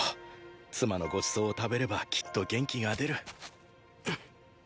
妻のごちそうを食べればきっと元気が出る。